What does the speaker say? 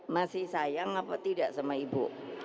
masih sayang apa tidak sama ibu